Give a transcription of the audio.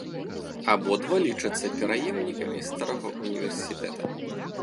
Абодва лічацца пераемнікамі старога ўніверсітэта.